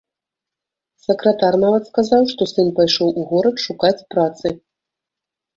Сакратар нават сказаў, што сын пайшоў у горад шукаць працы.